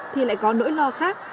thì lại có nỗi lo khác